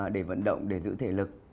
để vận động để giữ thể lực